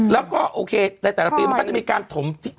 แล้วก็โอเคในแต่ละปีมันก็จะมีการถม